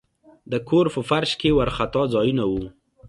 د کور په فرش کې وارخطا ځایونه وو.